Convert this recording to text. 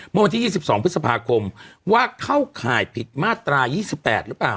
เมื่อวันที่ยี่สิบสองพฤษภาคมว่าเข้าข่ายผิดมาตรายยี่สิบแปดหรือเปล่า